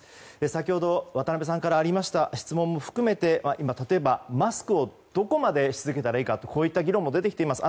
先ほど、渡辺さんからありました質問も含めて今、例えばマスクをどこまでし続けたらいいかこういった議論も出てきています。